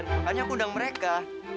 makanya aku undang mereka